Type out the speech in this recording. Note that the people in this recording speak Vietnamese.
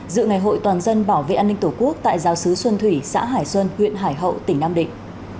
dự ngày hội toàn dân bảo vệ an ninh tổ quốc tại giáo sứ xuân thủy xã hải xuân huyện hải hậu tỉnh nam định